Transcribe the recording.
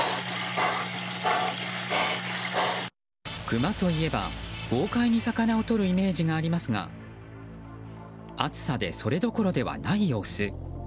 クマといえば豪快に魚をとるイメージがありますが暑さで、それどころではない様子。